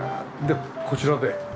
でこちらで。